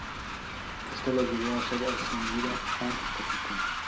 Esto le ayudó a ser ascendido a capitán.